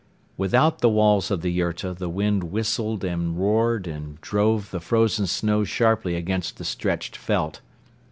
Without the walls of the yurta the wind whistled and roared and drove the frozen snow sharply against the stretched felt.